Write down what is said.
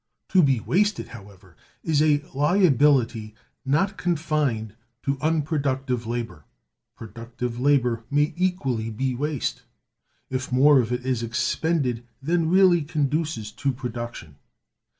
To be wasted, however, is a liability not confined to unproductive labor. Productive labor may equally be waste, if more of it is expended than really conduces to production.